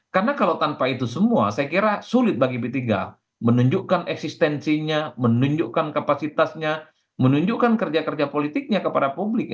karena kalau tanpa itu semua saya kira sulit bagi p tiga menunjukkan eksistensinya menunjukkan kapasitasnya menunjukkan kerja kerja politiknya kepada publik